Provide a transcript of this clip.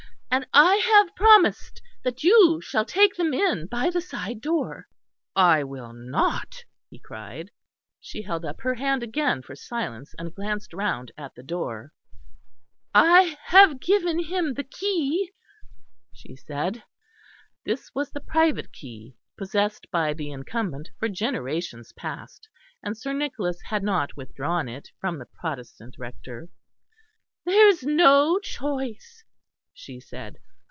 "And I have promised that you shall take them in by the side door." "I will not!" he cried. She held up her hand again for silence, and glanced round at the door. "I have given him the key," she said. This was the private key, possessed by the incumbent for generations past, and Sir Nicholas had not withdrawn it from the Protestant Rector. "There is no choice," she said.